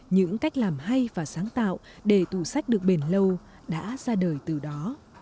những cách làm hay và sáng tạo để tủ sách được bền lâu đã ra đời từ đó